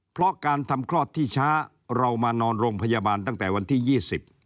เพราะการทำคลอดที่ช้าเรามานอนโรงพยาบาลตั้งแต่วันที่ยี่สิบ